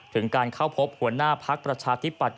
ถึงการเข้าพบหัวหน้าพักประชาธิปัตย